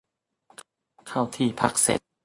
เข้าที่พักเสร็จ